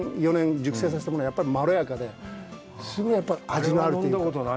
熟成させたものはやっぱりまろやかで、味のあるというか。